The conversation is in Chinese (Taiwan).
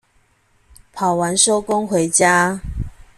跑完收工回家